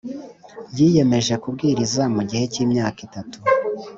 Yiyemeje kubwiriza mu gihe cy imyaka itatu